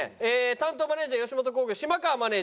担当マネージャー吉本興業嶋川マネージャー。